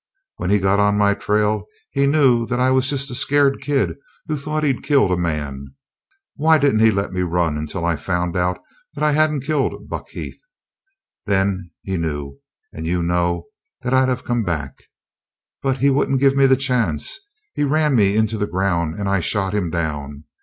When he got on my trail he knew that I was just a scared kid who thought he'd killed a man. Why didn't he let me run until I found out that I hadn't killed Buck Heath? Then he knew, and you know, that I'd have come back. But he wouldn't give me the chance. He ran me into the ground, and I shot him down.